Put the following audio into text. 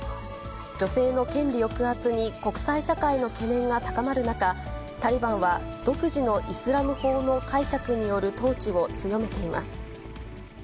女性の権利抑圧に国際社会の懸念が高まる中、タリバンは独自のイスラム法の解釈による統治を強めています。